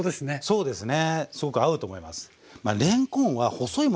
そうですね。